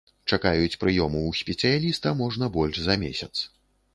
Чакаюць прыёму ў спецыяліста можна больш за месяц.